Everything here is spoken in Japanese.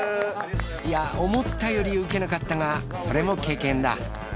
いや思ったよりウケなかったがそれも経験だ。